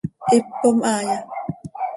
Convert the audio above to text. ¿Hipcom haaya?